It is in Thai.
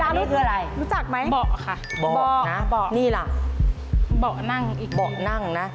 อันนี้คืออะไรรู้จักไหมบ่ะค่ะบ่ะบ่ะนี่หลังบ่ะนั่งอีกทีบ่ะนั่งนะ